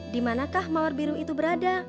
dimanakah mawar biru itu berada